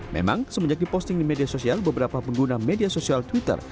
memang semenjak diposting di media sosial beberapa pengguna media sosial twitter